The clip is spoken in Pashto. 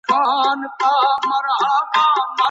څه شي له موږ سره د سمو پرېکړو په کولو کي مرسته کوي؟